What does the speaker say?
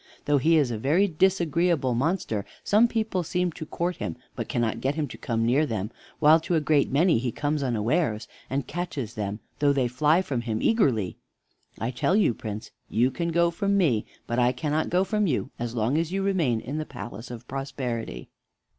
Though he is a very disagreeable monster, some people seem to court him, but cannot get him to come near them; while to a great many he comes unawares, and catches them, though they fly from him eagerly. I tell you, Prince, you can go from me, but I cannot go from you as long as you remain in the palace of Prosperity."